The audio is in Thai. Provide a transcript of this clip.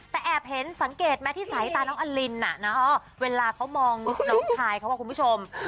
แต่แอบเห็นสังเกตไหมที่สายตาน้องอลินเวลาเขามองน้องชายเขาคุณผู้ชม